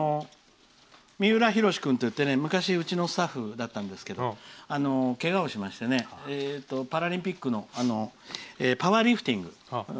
三浦浩君っていって昔うちのスタッフだったんだけどけがをしましてパラリンピックのパワーリフティング。